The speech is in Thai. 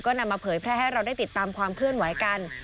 นำมาเผยแพร่ให้เราได้ติดตามความเคลื่อนไหวกัน